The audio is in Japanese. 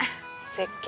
絶景。